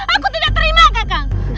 aku tidak terima kakang